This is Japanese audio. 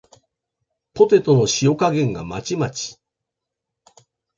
ポテトの塩加減がまちまち